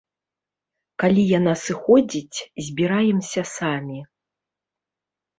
Калі яна сыходзіць, збіраемся самі.